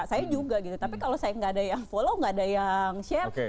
saya juga gitu tapi kalau saya nggak ada yang follow nggak ada yang share